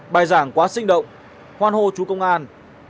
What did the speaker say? bài giảng quá sinh động hoan hô chú công an